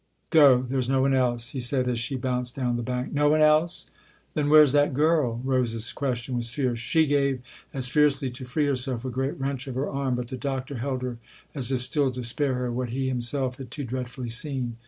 " Go. There's no one else," he said as she bounced down the bank. " No one else ? Then where's that girl ? "Rose's question was fierce. She gave, as fiercely, to free herself, a great wrench of her arm, but the Doctor held her as if still to spare her what he himself had too dreadfully seen.